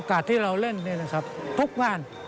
โอกาสที่เราเล่นนี่นะครับทุกงาน